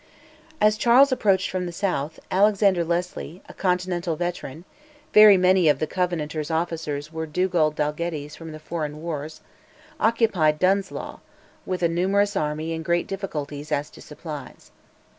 As Charles approached from the south, Alexander Leslie, a Continental veteran (very many of the Covenant's officers were Dugald Dalgettys from the foreign wars), occupied Dunse Law, with a numerous army in great difficulties as to supplies.